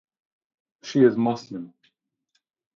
She is Muslim.